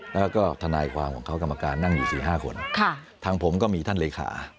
แล้วก็ทนายความของเขากรรมการนั่งอยู่สี่ห้าคนทางผมก็มีท่านเลขา